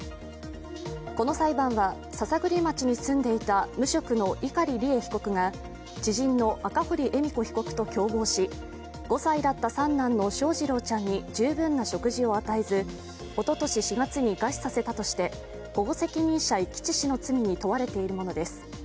この裁判は篠栗町に住んでいた無職の碇利恵被告が、知人の赤堀恵美子被告と共謀し、５歳だった三男の翔士郎ちゃんに十分な食事を与えずおととし４月に餓死させたとして保護責任者遺棄致死の罪に問われているものです。